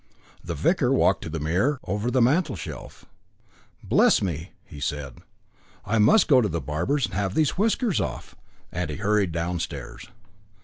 The vicar walked to the mirror over the mantelshelf. "Bless me!" he said, "I must go to the barber's and have these whiskers off." And he hurried downstairs.